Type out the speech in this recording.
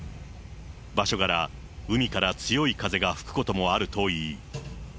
場所柄、海から強い風が吹くこともあるといい。